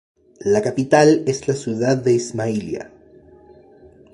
La capital es la ciudad de Ismailia.